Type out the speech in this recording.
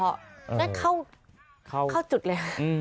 ได้เข้าเข้าจุดเลย